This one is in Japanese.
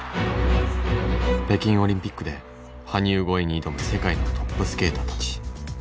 北京オリンピックで羽生超えに挑む世界のトップスケーターたち。